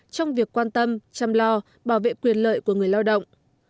trong việc quan tâm chăm lo bảo vệ quyền lợi của người lao động